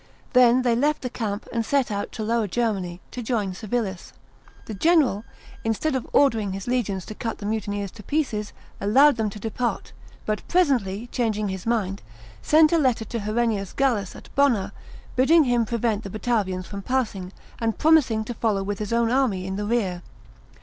Then they left the camp, and set out to Lower Germany, to join Civilis. The general, instead of ordering his legions to cut the mutineers to pieces, allowed them to depart ; but presently, changing his mind, sent a letter to Herennius Gallus at Bonna, bidding him prevent the Batavi.ms from passing, and promising to follow with his own army in the rear.